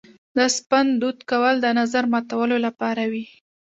د سپند دود کول د نظر ماتولو لپاره وي.